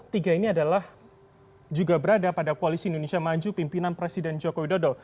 tiga ini adalah juga berada pada koalisi indonesia maju pimpinan presiden joko widodo